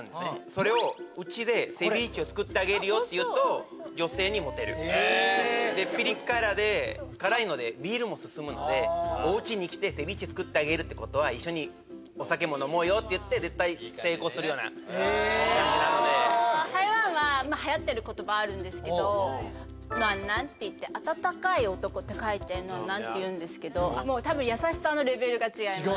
それをうちでセビーチェを作ってあげるよって言うと女性にモテるへえでピリ辛で辛いのでビールも進むのでおうちに来てセビーチェ作ってあげるってことは一緒にお酒も飲もうよって言って絶対成功するようなへえ感じなので台湾は「暖男」といって暖かい男と書いて暖男っていうんですけど多分優しさのレベルが違います